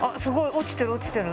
落ちてる落ちてる。